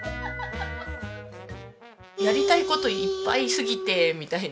やりたい事いっぱいすぎてみたいな。